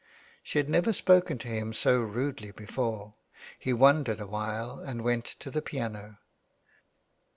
She had never spoken to him so rudely before. He wondered awhile and went to the piano.